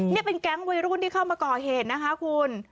นี่เป็นแก๊งวัยรุ่นที่เข้ามาก่อเหตุนะคะคุณ